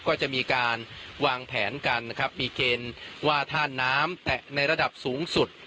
ก็จะมีการวางแผนกันนะครับมีเกณฑ์ว่าถ้าน้ำแตะในระดับสูงสุด